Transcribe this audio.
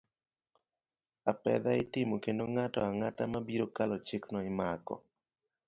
Apedha itimo kendo ng'ato ang'ata mabiro kalo chikno imako.